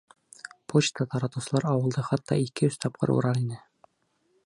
Почта таратыусылар ауылды хатта ике-өс тапҡыр урар ине.